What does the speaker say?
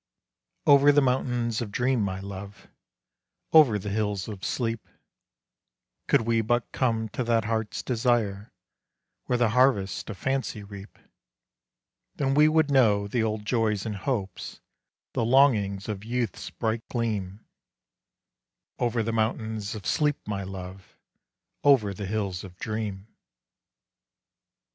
Over the mountains of dream, my Love, Over the hills of sleep; Could we but come to that heart's desire, Where the harvests of fancy reap, Then we would know the old joys and hopes, The longings of youth's bright gleam, Over the mountains of sleep, my Love, Over the hills of dream.